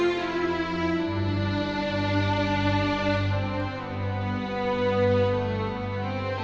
ahmad ini maksgrad seekor di orang tinggi dulu kok